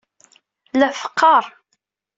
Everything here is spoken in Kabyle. La t-teqqar.